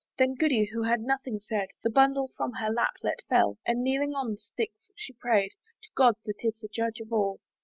Then Goody, who had nothing said, Her bundle from her lap let fall; And kneeling on the sticks, she pray'd To God that is the judge of all.